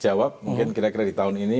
jawab mungkin kira kira di tahun ini